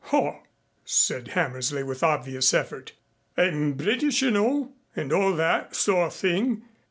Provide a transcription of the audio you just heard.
"Haw!" said Hammersley with obvious effort. "I'm British, you know, and all that sort of thing.